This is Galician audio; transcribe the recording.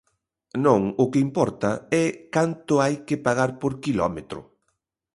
Non, o que importa é canto hai que pagar por quilómetro.